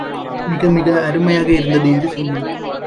மிகமிக அருமையாக இருந்தது என்று சொன்னாள்.